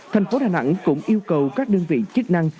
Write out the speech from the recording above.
thành phố đà nẵng cũng yêu cầu các đơn vị chức năng